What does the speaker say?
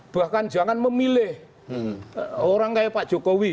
bahkan jangan memilih orang kayak pak jokowi